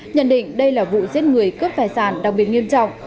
nhận định đây là vụ giết người cướp tài sản đặc biệt nghiêm trọng